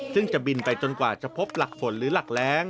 ซึ่งจะบินไปจนกว่าจะพบหลักฝนหรือหลักแรง